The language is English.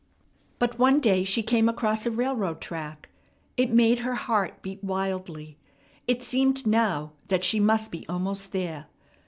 But one day she came across a railroad track. It made her heart beat wildly. It seemed now that she must be almost there.